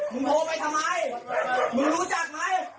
โทรไปทำไมมึงรู้จักไหม